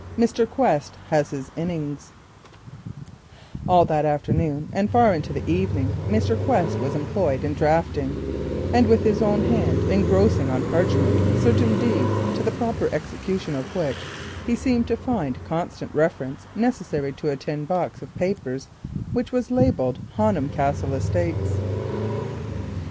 MR. QUEST HAS HIS INNINGS All that afternoon and far into the evening Mr. Quest was employed in drafting, and with his own hand engrossing on parchment certain deeds, for the proper execution of which he seemed to find constant reference necessary to a tin box of papers labelled "Honham Castle Estates."